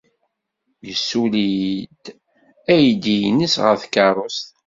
Yessuli-d aydi-nnes ɣer tkeṛṛust.